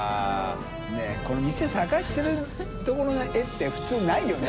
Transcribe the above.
海療探してるところの絵って普通ないよね。